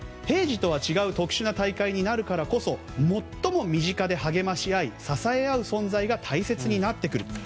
平時とは違う特殊な大会になるからこそ最も身近で励まし合い支え合う存在が大切になってくる。